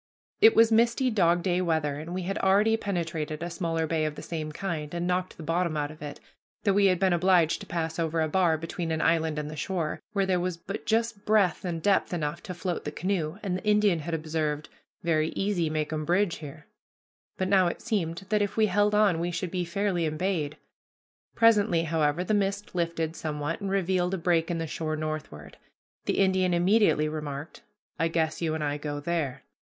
It was misty dog day weather, and we had already penetrated a smaller bay of the same kind, and knocked the bottom out of it, though we had been obliged to pass over a bar between an island and the shore, where there was but just breadth and depth enough to float the canoe, and the Indian had observed, "Very easy makum bridge here," but now it seemed that if we held on we should be fairly embayed. Presently, however, the mist lifted somewhat and revealed a break in the shore northward. The Indian immediately remarked, "I guess you and I go there."